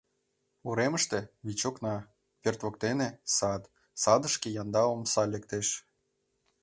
Уремышке — вич окна, пӧрт воктене — сад, садышке янда омса лектеш.